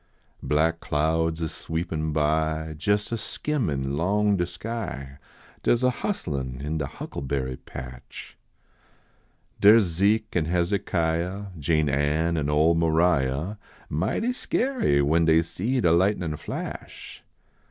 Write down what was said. Black clouds a sweepin by, Jes a skimmin long de sky, Dar s a hustlin in de huckleberry patch. Dar s Zeke and Hezekiah, Jane Ann an ole Maria, Mighty skeery when dey see de lightnin flash.